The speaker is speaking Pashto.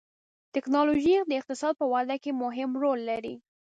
ټکنالوجي د اقتصاد په وده کې مهم رول لري.